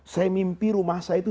saya mimpi rumah saya itu